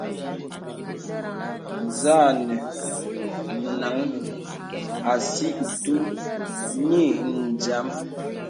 Zà ànə nāŋhàŋ àsī itūn nï dīəm.